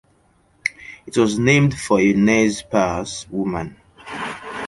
It was named for a Nez Perce woman.